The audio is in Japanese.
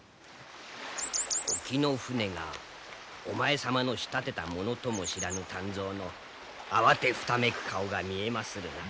沖の船がお前様の仕立てたものとも知らぬ湛増の慌てふためく顔が見えまするな。